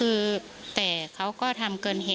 พุ่งเข้ามาแล้วกับแม่แค่สองคน